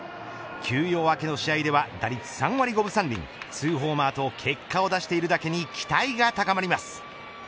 休養明けの試合では打率３割５分３厘２ホーマーと結果を出してるだけに期待が高まります。